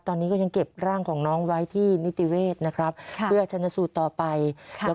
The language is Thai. ตอนนี้ก็ยังเก็บร่างของน้องไว้ที่นิติเวศนะครับค่ะเพื่อชนสูตรต่อไป